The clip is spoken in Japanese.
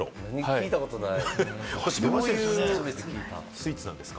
聞いたことない。